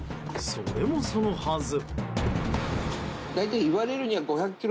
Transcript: それもそのはず。